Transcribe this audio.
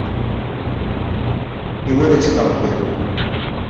Iwala-tt-id Rebbi.